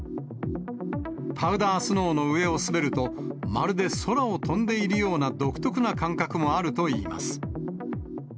パウダースノーの上を滑ると、まるで空を飛んでいるような独特な感覚もあるといいます。